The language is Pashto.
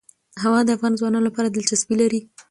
هوا د افغان ځوانانو لپاره دلچسپي لري.